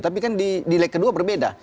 tapi kan di leg kedua berbeda